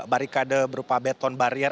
barikade berupa beton barier